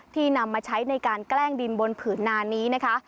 นำมาใช้ในการแกล้งดินบนผืนนานี้นะคะ